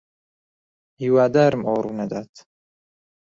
ھیوادارم ئەوە ڕوونەدات.